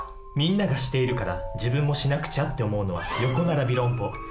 みんながしているから自分もしなくちゃって思うのは「横ならび論法」。